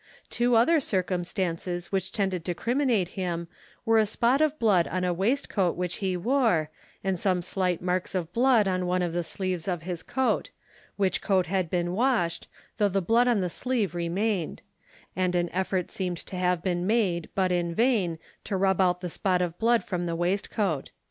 Two other circumstances which tended to criminate him were a spot of blood on a waistcoat which he wore, and some slight marks of blood on one of the sleeves of his coat; which coat had been washed, though the blood on the sleeve remained; and an effort seemed to have been made, but in vain, to rub out the spot of blood from the waistcoat.